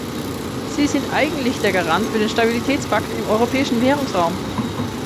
Sie sind eigentlich der Garant für den Stabilitätspakt im europäischen Währungsraum!